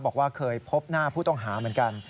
บอกว่าเคยพบหน้าผู้ต้องหาเหมือนกัน